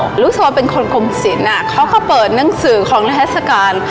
เพราะว่าเป็นคนกลมศิลป์เขาก็เปิดหนังสือของราศกาล